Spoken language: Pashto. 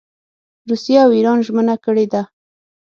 روسیې او اېران ژمنه کړې ده.